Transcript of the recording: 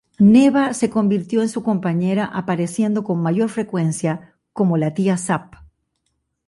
Neva se convirtió en su compañera apareciendo con mayor frecuencia como la Tía Sap.